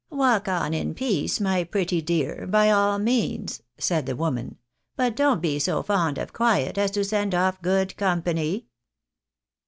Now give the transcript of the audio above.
" Walk on in peace, my pretty dear, by all means," said the woman ;" but don't be so fond of quiet as to send off good company."